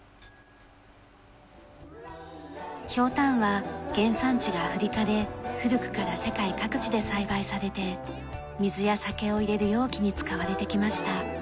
ヒョウタンは原産地がアフリカで古くから世界各地で栽培されて水や酒を入れる容器に使われてきました。